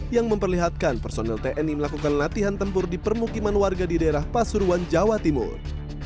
yang memperlihatkan personel tni melakukan latihan tempur di permukiman warga di daerah pasuruan jawa timur